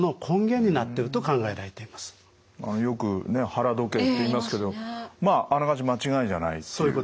よくね腹時計と言いますけどまああながち間違いじゃないっていう。